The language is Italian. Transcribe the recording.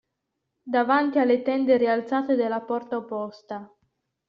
Davanti alle tende rialzate della porta opposta.